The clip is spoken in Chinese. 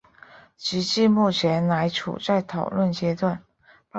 直至目前仍处在讨论阶段。